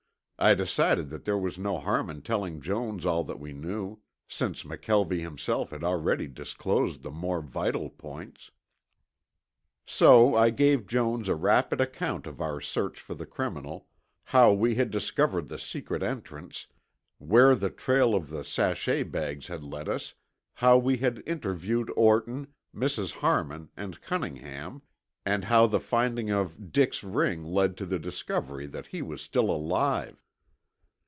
I decided that there was no harm in telling Jones all that we knew, since McKelvie himself had already disclosed the more vital points. So I gave Jones a rapid account of our search for the criminal, how we had discovered the secret entrance, where the trail of the sachet bags had led us, how we had interviewed Orton, Mrs. Harmon, and Cunningham, and how the finding of Dick's ring led to the discovery that he was still alive.